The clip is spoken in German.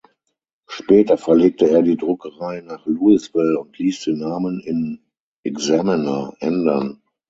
Später verlegte er die Druckerei nach Louisville und ließ den Namen in "Examiner" ändern.